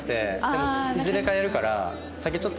でもいずれかやるから。